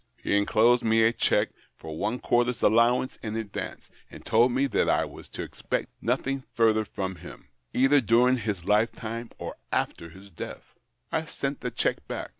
He enclosed me a checjue for one quarters allowance in advance, and told me that I was to expect nothing further from him, either during his lifetime or after his death. I sent the cheque back.